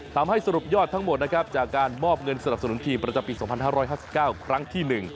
ทำให้สรุปยอดทั้งหมดนะครับจากการมอบเงินสนับสนุนทีมประจำปี๒๕๕๙ครั้งที่๑